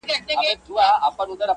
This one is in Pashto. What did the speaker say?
دغه زرين مخ,